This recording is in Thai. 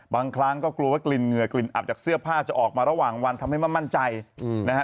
บางครั้งก็กลัวว่ากลิ่นเหงื่อกลิ่นอับจากเสื้อผ้าจะออกมาระหว่างวันทำให้ไม่มั่นใจนะฮะ